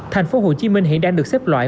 thành phố hồ chí minh hiện đang được xếp loại